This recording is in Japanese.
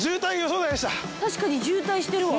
確かに渋滞してるわ。